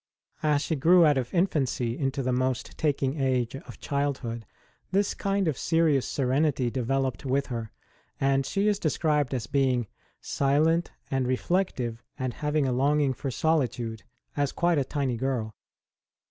As she grew out of infancy into the most taking age of childhood, 38 ST. ROSE S CHILDHOOD 39 this kind of serious serenity developed with her ; and she is described as being silent and reflec tive, and having a longing for solitude, as quite a tiny girl.